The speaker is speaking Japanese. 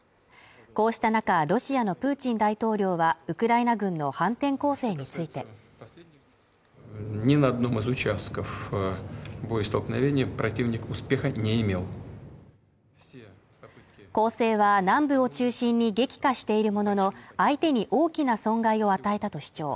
こうした中、ロシアのプーチン大統領はウクライナ軍の反転攻勢について攻勢は南部を中心に激化しているものの相手に大きな損害を与えたと主張